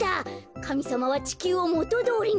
かみさまはちきゅうをもとどおりにしました。